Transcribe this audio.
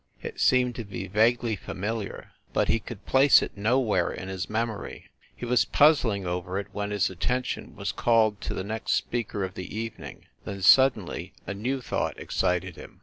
It seemed to be vaguely familiar, but he could place it nowhere in his mem ory. He was puzzling over it when his attention was called to the next speaker of the evening then, suddenly, a new thought excite d him.